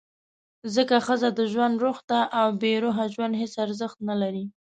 ځکه ښځه د ژوند «روح» ده، او بېروحه ژوند هېڅ ارزښت نه لري.